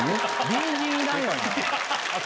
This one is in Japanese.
隣人いらんねん。